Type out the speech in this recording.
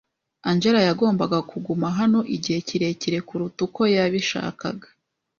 Angella yagombaga kuguma hano igihe kirekire kuruta uko yabishakaga.